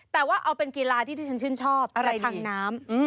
แต่ว่าเอาเป็นกีฬาที่ที่ฉันชื่นชอบกระทังน้ำ